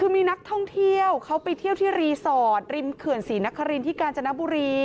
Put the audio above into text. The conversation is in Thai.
คือมีนักท่องเที่ยวเขาไปเที่ยวที่รีสอร์ตริมเกือร์ศีนท์นักข้าวลินที่กาญจนบุรี